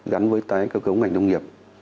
gắn với tái cơ cấu ngành nông nghiệp